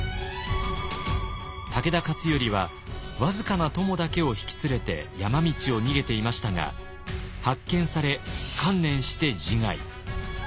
武田勝頼は僅かな供だけを引き連れて山道を逃げていましたが発見され観念して自害。